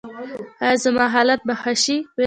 ایا زما حالت به ښه شي؟